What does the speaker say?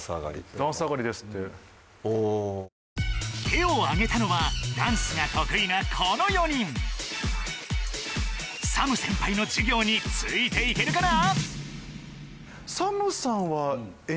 手を挙げたのはダンスが得意なこの４人ＳＡＭ先輩の授業について行けるかな？